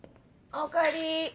おかえり。